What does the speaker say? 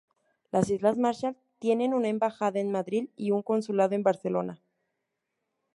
Las Islas Marshall tienen una embajada en Madrid y un consulado en Barcelona.